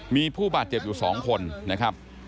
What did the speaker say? มีผู้บาดเจ็บอยู่๒คนนะครับ